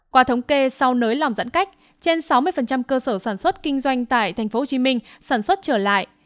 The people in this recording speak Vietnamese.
qua thống kê sau nới lỏng giãn cách trên sáu mươi cơ sở sản xuất kinh doanh tại tp hcm sản xuất trở lại